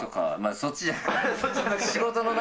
そっちじゃなくて。